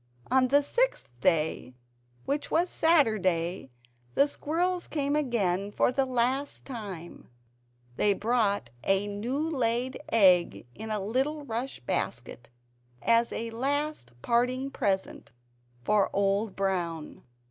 On the sixth day, which was Saturday, the squirrels came again for the last time; they brought a new laid EGG in a little rush basket as a last parting present for Old Brown.